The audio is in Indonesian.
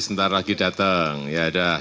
sebentar lagi datang ya udah